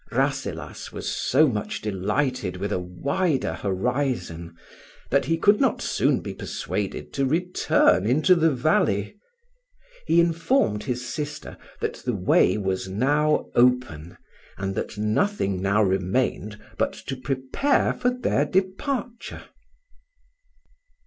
Rasselas was so much delighted with a wider horizon, that he could not soon be persuaded to return into the valley. He informed his sister that the way was now open, and that nothing now remained but to prepare for their departure.